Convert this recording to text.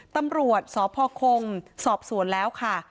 ตำรวจสพคงสอบสวนแล้วค่ะ